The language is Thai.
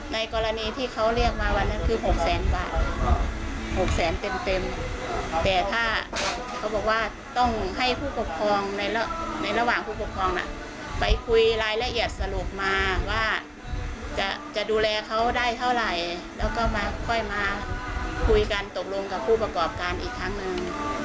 ในกรณีที่เขาเรียกมาวันนั้นคือ๖แสนบาทหกแสนเต็มแต่ถ้าเขาบอกว่าต้องให้ผู้ปกครองในระหว่างผู้ปกครองน่ะไปคุยรายละเอียดสรุปมาว่าจะดูแลเขาได้เท่าไหร่แล้วก็มาค่อยมาคุยกันตกลงกับผู้ประกอบการอีกครั้งหนึ่ง